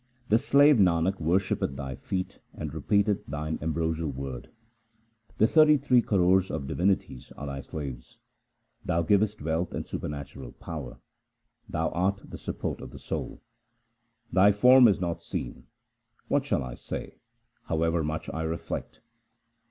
The slave Nanak worshippeth Thy feet, and repeateth Thine ambrosial Word. The thirty three karors 2 of divinities are Thy slaves ; Thou givest wealth and supernatural power ; Thou art the support of the soul. Thy form is not seen : what shall I say, however much I reflect